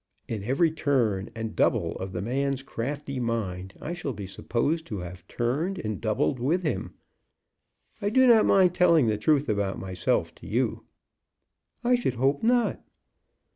In every turn and double of the man's crafty mind I shall be supposed to have turned and doubled with him. I do not mind telling the truth about myself to you." "I should hope not."